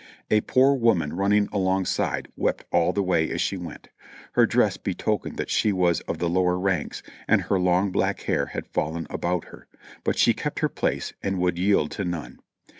A poor woman running alongside wept all the way as she went; her dress betokened that she was of the lower ranks, and her long black hair had fallen about her, but she kept her place and would yield to none.